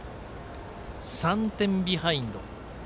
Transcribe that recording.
３点ビハインド。